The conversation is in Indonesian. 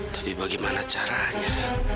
tapi bagaimana caranya